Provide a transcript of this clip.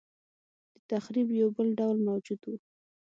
دتخریب یو بل ډول موجود و.